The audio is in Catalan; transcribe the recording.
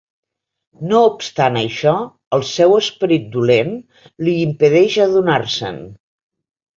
No obstant això, el seu esperit dolent li impedeix adonar-se'n.